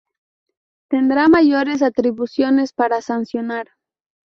Tendrá mayores atribuciones para sancionar.